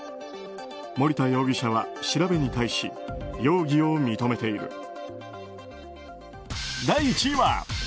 森田容疑者は調べに対し容疑を認めている。